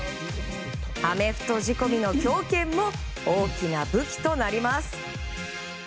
アメフト仕込みの強肩も大きな武器となります。